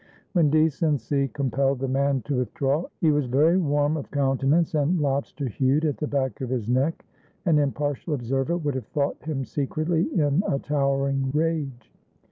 When decency compelled the man to withdraw, he was very warm of countenance and lobster hued at the back of his neck; an impartial observer would have thought him secretly in a towering rage.